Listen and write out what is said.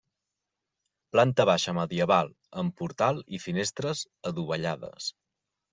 Planta baixa medieval amb portal i finestres adovellades.